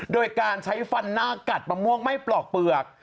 โดยการใช้ฟันหน้ากัดมะม่วงไม่ปลอกเปลือก